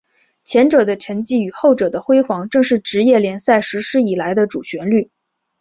前者的沉寂与后者的辉煌正是职业联赛实施以来的主旋律。